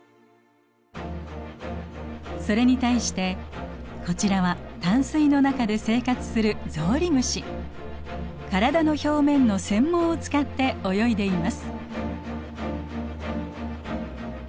それに対してこちらは淡水の中で生活する体の表面の繊毛を使って泳いでいます。